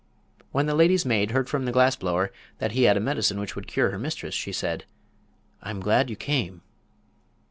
When the lady's maid heard from the glass blower that he had a medicine which would cure her mistress, she said: "I'm glad you came."